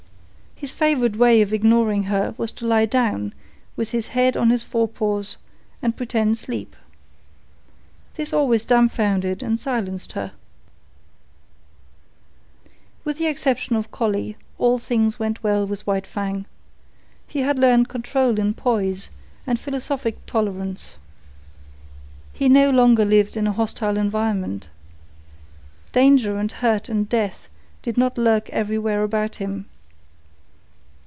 His favourite way of ignoring her was to lie down, with his head on his fore paws, and pretend sleep. This always dumfounded and silenced her. With the exception of Collie, all things went well with White Fang. He had learned control and poise, and he knew the law. He achieved a staidness, and calmness, and philosophic tolerance. He no longer lived in a hostile environment. Danger and hurt and death did not lurk everywhere about him.